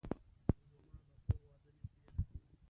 زما د خور واده نږدې ده